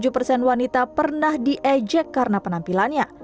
sembilan puluh dua tujuh persen wanita pernah diejek karena penampilannya